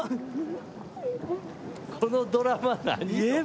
・このドラマ何？